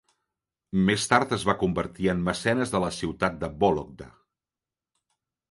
Més tard es va convertir en mecenes de la ciutat de Vólogda.